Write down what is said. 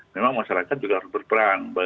memang masyarakat juga harus berperan